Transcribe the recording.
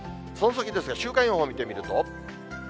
その先ですが、週間予報を見てみると。